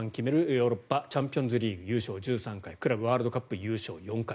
ヨーロッパチャンピオンズリーグ優勝クラブワールドカップ優勝４回。